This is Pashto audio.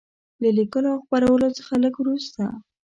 له لیکلو او خپرولو څخه لږ وروسته.